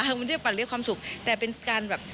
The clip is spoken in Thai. มันจะปัดเรียกความสุขแต่เป็นการแบบ